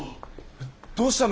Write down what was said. どうしたの？